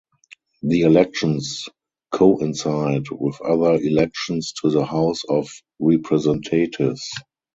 The elections coincide with other elections to the House of Representatives.